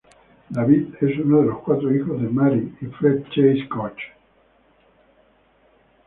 David es uno de los cuatro hijos de Mary y Fred Chase Koch.